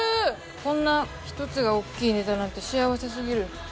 こんな１つが大きいネタなんて幸せすぎる。